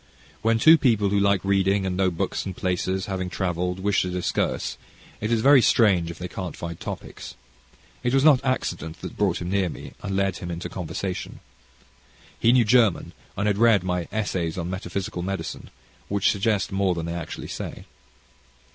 When two people, who like reading, and know books and places, having travelled, wish to discourse, it is very strange if they can't find topics. It was not accident that brought him near me, and led him into conversation. He knew German and had read my Essays on Metaphysical Medicine which suggest more than they actually say.